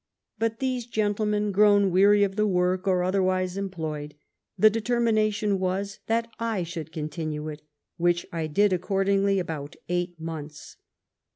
But these gentlemen, grown weary of the work, or otherwise employed, the determination was, that I should continue it, which I did accordingly about eight months.